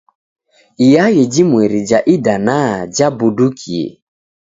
Iaghi jimweri ja idanaa jabudukie.